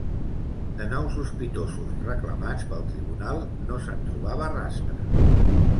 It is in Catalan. De nou sospitosos reclamats pel tribunal no se'n trobava rastre.